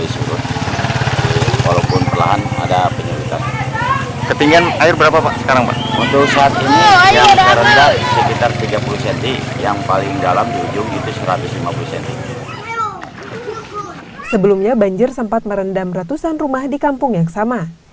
sebelumnya banjir sempat merendam ratusan rumah di kampung yang sama